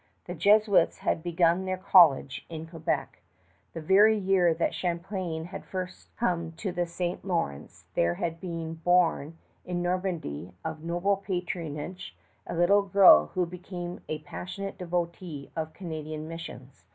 The Jesuits had begun their college in Quebec. The very year that Champlain had first come to the St. Lawrence there had been born in Normandy, of noble parentage, a little girl who became a passionate devotee of Canadian missions.